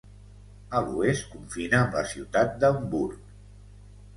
A l'oest confina amb la ciutat d'Hamburg.